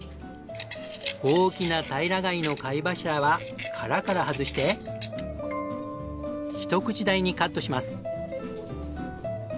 大きな平貝の貝柱は殻から外して一口大にカットします。